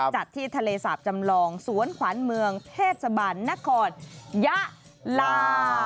ที่ทะเลสาบจำลองสวนขวัญเมืองเทศบาลนครยะลา